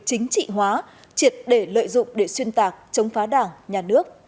chính trị hóa triệt để lợi dụng để xuyên tạc chống phá đảng nhà nước